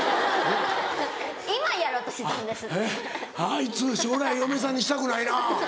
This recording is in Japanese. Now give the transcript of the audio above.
あいつ将来嫁さんにしたくないな。